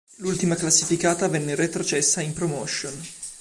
L'ultima classificata venne retrocessa in Promotion.